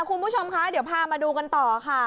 คุณผู้ชมคะเดี๋ยวพามาดูกันต่อค่ะ